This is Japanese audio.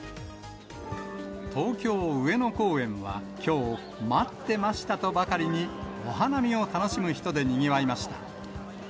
東京・上野公園はきょう、待ってましたとばかりにお花見を楽しむ人でにぎわいました。